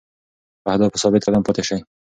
په اهدافو ثابت قدم پاتې شئ.